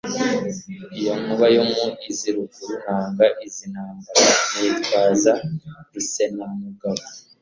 iyo nkuba yo mu z'i Ruguru nanga izi ntambara nitwaza Rusenamugabo